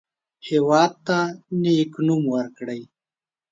هېواد ته نیک نوم ورکړئ